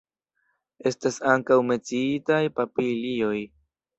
Estas ankaŭ menciitaj papilioj.